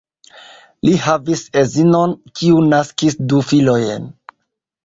Li havis edzinon, kiu naskis du filojn.